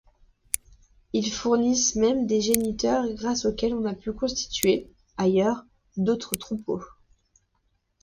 Ils fournissent même des géniteurs grâce auxquels on a pu constituer, ailleurs, d'autres troupeaux.